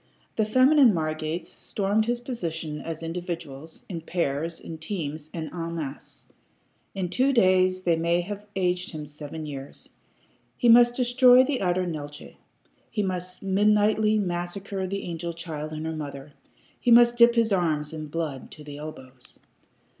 The feminine Margates stormed his position as individuals, in pairs, in teams, and en masse. In two days they may have aged him seven years. He must destroy the utter Neeltje. He must midnightly massacre the angel child and her mother. He must dip his arms in blood to the elbows.